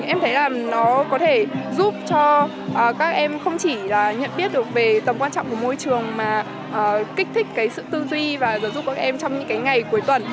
em thấy là nó có thể giúp cho các em không chỉ nhận biết được về tầm quan trọng của môi trường mà kích thích cái sự tư duy và giờ giúp các em trong những cái ngày cuối tuần